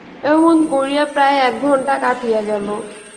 এমনি করিয়া প্রায় এক ঘন্টা কাটিয়া গেল।